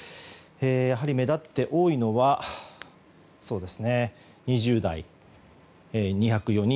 やはり目立って多いのは２０代、２０４人。